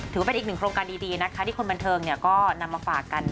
ถือว่าเป็นอีกหนึ่งโครงการดีนะคะที่คนบันเทิงก็นำมาฝากกัน